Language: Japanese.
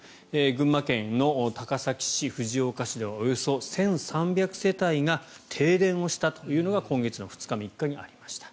群馬県の高崎市、藤岡市ではおよそ１３００世帯が停電をしたというのが今月２日、３日にありました。